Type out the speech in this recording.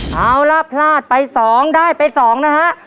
เอาล่ะพลาดไป๒ได้ไป๒นะฮะ